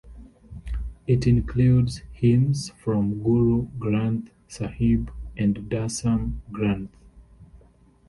It includes hymns from Guru Granth Sahib and Dasam Granth.